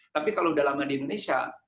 tapi kalau sudah lama di indonesia